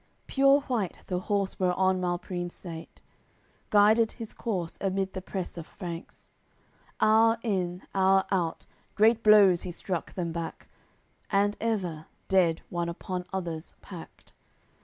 AOI. CCXLIII Pure white the horse whereon Malprimes sate; Guided his corse amid the press of Franks, Hour in, hour out, great blows he struck them back, And, ever, dead one upon others packed.